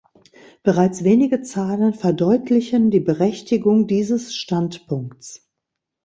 Bereits wenige Zahlen verdeutlichen die Berechtigung dieses Standpunkts.